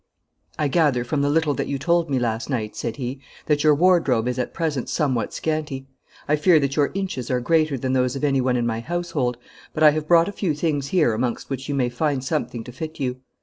'I gather from the little that you told me last night,' said he, 'that your wardrobe is at present somewhat scanty. I fear that your inches are greater than those of anyone in my household, but I have brought a few things here amongst which you may find something to fit you.